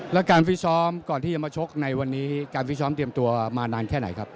แล้วการฟิตซ้อมก่อนที่จะมาชกในวันนี้การฟิตซ้อมเตรียมตัวมานานแค่ไหนครับ